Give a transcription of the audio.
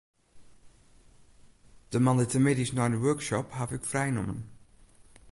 De moandeitemiddeis nei de workshop haw ik frij nommen.